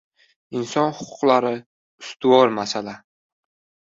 Inson huquqlari - ustuvor masala